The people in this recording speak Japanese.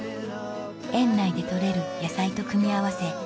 園内で取れる野菜と組み合わせ